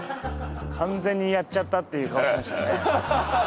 完全にやっちゃったっていう顔してましたね